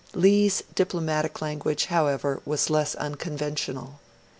Li's diplomatic language, however, was less unconventional.